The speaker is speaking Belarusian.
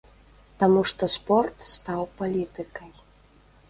Таму што спорт стаў палітыкай.